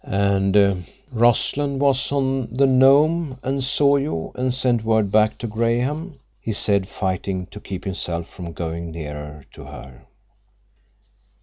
"And Rossland was on the Nome, and saw you, and sent word back to Graham," he said, fighting to keep himself from going nearer to her.